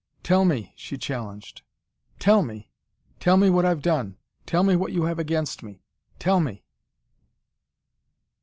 "Tell me," she challenged. "Tell me! Tell me what I've done. Tell me what you have against me. Tell me."